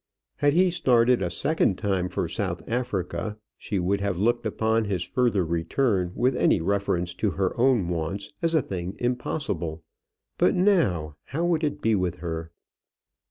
Had he started a second time for South Africa, she would have looked upon his further return with any reference to her own wants as a thing impossible. But now how would it be with her?